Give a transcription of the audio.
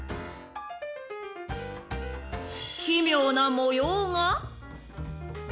［奇妙な模様が］